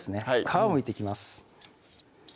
皮をむいていきます